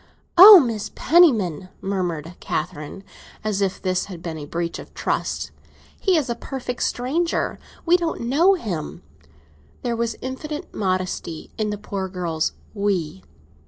"Oh, Aunt Penniman!" murmured Catherine, as if this had been a breach of trust. "He is a perfect stranger—we don't know him." There was infinite, modesty in the poor girl's "we."